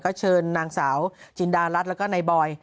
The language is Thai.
ก็เชิญนางสาวจินดารัฐแล้วก็นายบอย